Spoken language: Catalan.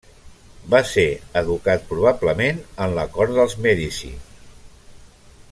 Va ser educat probablement en la cort dels Mèdici.